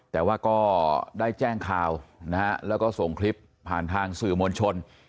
แต่ว่าก็ได้แจ้งข่าวนะฮะแล้วก็ส่งคลิปผ่านทางสื่อมวลชน